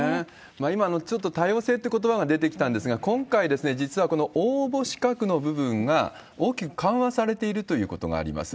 今、ちょっと多様性ってことばが出てきたんですが、今回、実は応募資格の部分が大きく緩和されているということがあります。